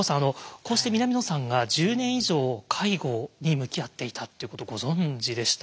こうして南野さんが１０年以上介護に向き合っていたっていうことご存じでした？